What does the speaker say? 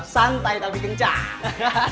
santai tapi kencang